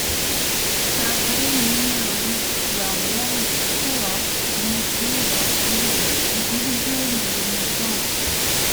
Cerveillieres were worn throughout the medieval period and even during the Renaissance.